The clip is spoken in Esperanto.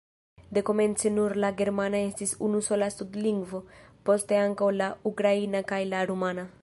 Dekomence nur la germana estis unusola stud-lingvo, poste ankaŭ la ukraina kaj la rumana.